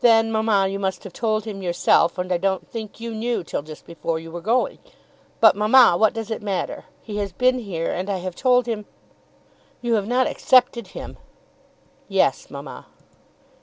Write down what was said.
"Then, mamma, you must have told him yourself, and I don't think you knew till just before you were going. But, mamma, what does it matter? He has been here, and I have told him " "You have not accepted him?" "Yes, mamma."